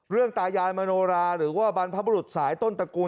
ตายายมโนราหรือว่าบรรพบรุษสายต้นตระกูล